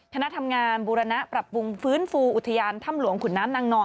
คณะทำงานบูรณะปรับปรุงฟื้นฟูอุทยานถ้ำหลวงขุนน้ำนางนอน